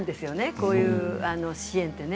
こういう支援ってね。